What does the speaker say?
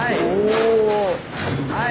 はい。